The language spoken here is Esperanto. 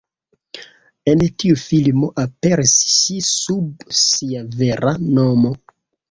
En tiu filmo aperis ŝi sub sia vera nomo.